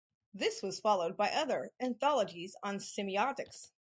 This was followed by other anthologies on semiotics.